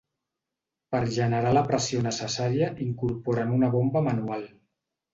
Per generar la pressió necessària incorporen una bomba manual.